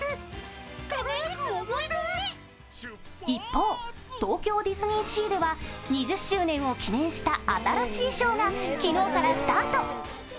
一方、東京ディズニーシーでは２０周年を記念した新しいショーが昨日からスタート。